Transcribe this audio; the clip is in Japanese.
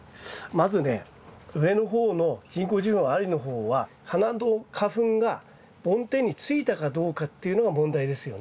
まずね上の方の人工授粉ありの方は花の花粉が梵天についたかどうかっていうのが問題ですよね。